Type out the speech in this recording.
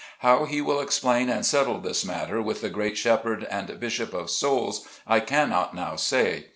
How he will explain and settle this matter with the great Shepherd and Bishop of souls, I cannot now say.